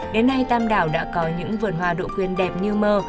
đến nay tam đảo đã có những vườn hoa đỗ quyên đẹp như mơ